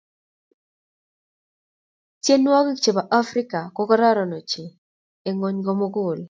Tienii che bo Afrika ko ororon ochei eng ng'ony komugul.